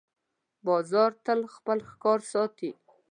باز تل خپل ښکار ساتي